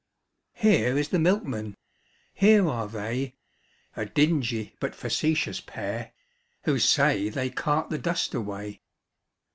Here is the milkraaTi ; here are they, (A dingy but facetious pair) Who say they cart the dust away.